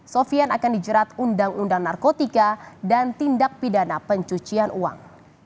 sofian akan dijerat undang undang narkotika dan tindak pidana pencucian uang